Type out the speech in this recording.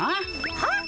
はっ？